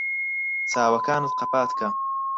چاوەکانت قەپات بکە.